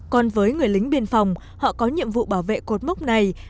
còn với người lính biên phòng họ có nhiệm vụ bảo vệ cột mốc này